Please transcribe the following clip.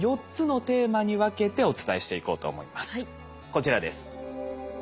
こちらです。